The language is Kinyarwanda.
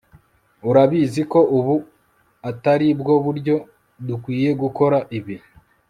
urabizi ko ubu atari bwo buryo dukwiye gukora ibi